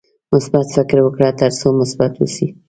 مثبت فکر وکړه ترڅو مثبت اوسې.